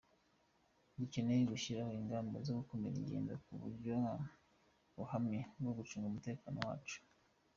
Dukeneye gushyiraho ingamba zo gukumira ingendo nk’uburyo buhamye bwo gucunga umutekano wacu.